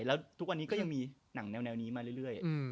แล้วทุกวันนี้ก็ยังมีหนังแนวนี้มาเรื่อย